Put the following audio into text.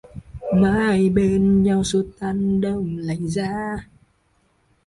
Mãi bên nhau xua tan đông lạnh giá